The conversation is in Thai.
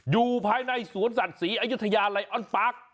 อยู่ภายในสวนสัตว์ศรีอายุทยาไลออนปาร์ค